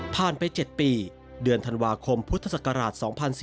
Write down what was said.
ไป๗ปีเดือนธันวาคมพุทธศักราช๒๔๙